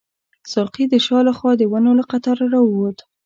ساقي د شا له خوا د ونو له قطاره راووت.